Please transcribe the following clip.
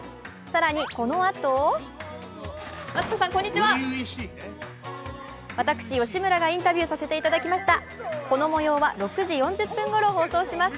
更にこのあと私・吉村がインタビューさせていただきました。